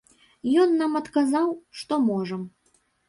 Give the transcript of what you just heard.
Ён нам адказаў, што можам.